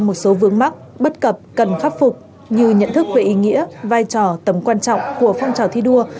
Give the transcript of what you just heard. một số vướng mắc bất cập cần khắc phục như nhận thức về ý nghĩa vai trò tầm quan trọng của phong trào thi đua